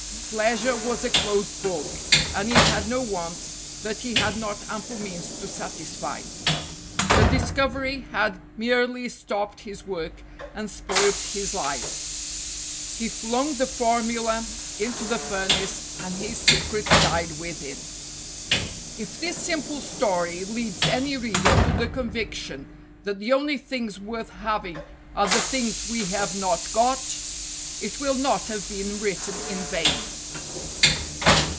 Pleasure was a closed book and he had no wants that he had not ample means to satisfy. The discovery had merely stopped his work and spoilt his life. He 316 STORIES WITHOUT TEARS flung the formula into the furnace and his secret died with him. If this simple story leads any reader to the convic tion that the only things worth having are the things we have not got, it will not have been written in vain.